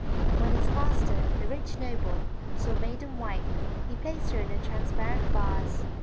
When his master, the rich noble, saw Maiden White, he placed her in a transparent vase.